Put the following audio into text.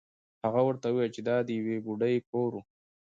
هغه ورته وویل چې دا د یوې بوډۍ کور و.